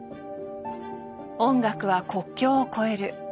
音楽は国境を超える。